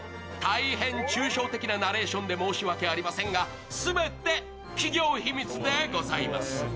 大変抽象的なナレーションで申し訳ありませんが、全て企業秘密でございます。